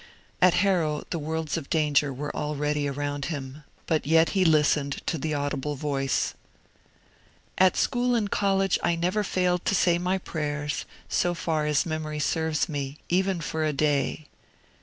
At Harrow the worlds of danger were already around him; but yet he listened to the audible voice. 'At school and college I never failed to say my prayers, so far as memory serves me, even for a day.'